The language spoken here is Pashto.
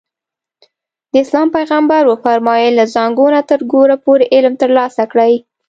د اسلام پیغمبر وفرمایل له زانګو نه تر ګوره پورې علم ترلاسه کړئ.